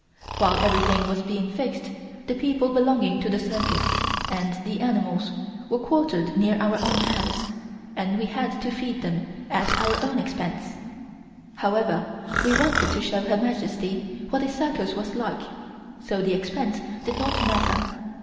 While everything was being fixed, the people belonging to the circus, and the animals, were quartered near our own house and we had to feed them at our own expense. However, we wanted to show Her Majesty what a circus was like so the expense did not matter.